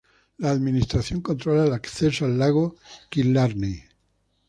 La administración controla el acceso al lago Killarney.